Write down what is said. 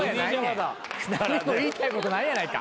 何も言いたいことないやないか。